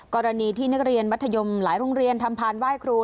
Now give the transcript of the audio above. กรณีที่นักเรียนมัธยมหลายโรงเรียนทำพานไหว้ครู